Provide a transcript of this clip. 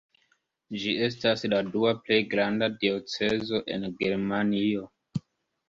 Ĝi estas la dua plej granda diocezo en Germanio.